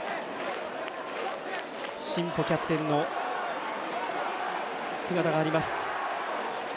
新保キャプテンの姿があります。